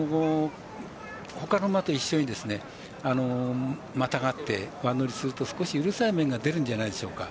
ほかの馬と一緒にまたがって馬乗りするとうるさい面が出るんじゃないでしょうか。